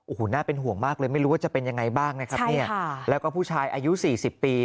โอ้โหน่าเป็นห่วงมากเลยไม่รู้ว่าจะเป็นยังไงบ้างนะครับเนี่ยแล้วก็ผู้ชายอายุสี่สิบปี